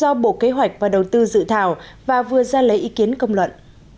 do bộ kế hoạch và đầu tư dự thảo và vừa ra lấy ý kiến công luận